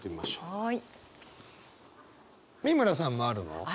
はい。